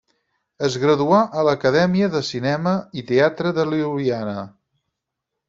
Es graduà a l'Acadèmia de Cinema i Teatre de Ljubljana.